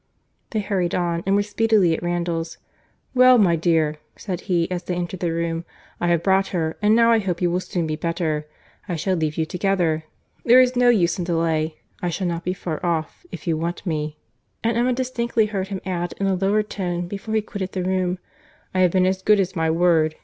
They hurried on, and were speedily at Randalls.—"Well, my dear," said he, as they entered the room—"I have brought her, and now I hope you will soon be better. I shall leave you together. There is no use in delay. I shall not be far off, if you want me."—And Emma distinctly heard him add, in a lower tone, before he quitted the room,—"I have been as good as my word.